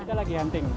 kita lagi hunting